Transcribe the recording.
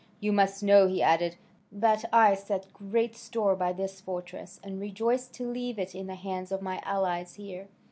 You must know," he added, "that I set great store by this fortress, and rejoice to leave it in the hands of my allies here.